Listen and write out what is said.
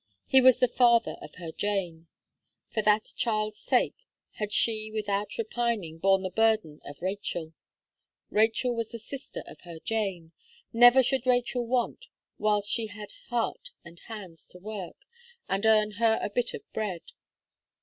He was the father of her Jane. For that child's sake, had she, without repining, borne the burden of Rachel. Rachel was the sister of her Jane. Never should Rachel want, whilst she had heart and hands to work, and earn her a bit of bread.